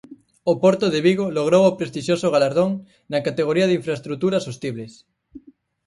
O Porto de Vigo logrou o prestixioso galardón na categoría de Infraestruturas Sostibles.